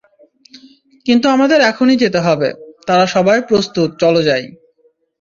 কিন্তু আমাদের এখনই যেতে হবে, তারা সবাই প্রস্তুত চলো যাই।